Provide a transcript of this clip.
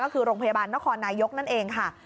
ก็คือโรงพยาบาลนครนายกนั่นเองค่ะ